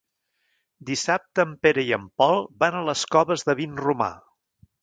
Dissabte en Pere i en Pol van a les Coves de Vinromà.